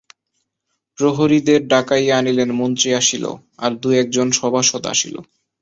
প্রহরীদের ডাকাইয়া আনিলেন, মন্ত্রী আসিল, আর দুই-একজন সভাসদ আসিল।